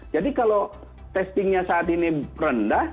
jadi kalau testingnya saat ini rendah